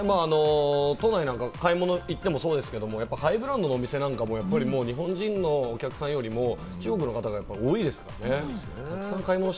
都内なんか買い物行ってもそうですけれども、ハイブランドのお店なんかも日本人のお客さんよりも中国の方が多いですよね。